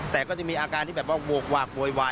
แต่ก็จะมีอาการที่แบบว่าโหกวากโวยวาย